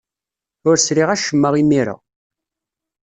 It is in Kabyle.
Ur sriɣ acemma imir-a.